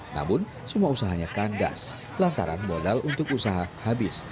namun semua usahanya kandas lantaran modal untuk usaha habis